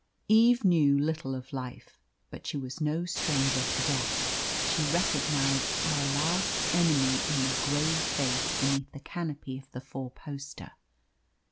Eve knew little of life, but she was no stranger to death. She recognised our last enemy in the grey face beneath the canopy of the four poster.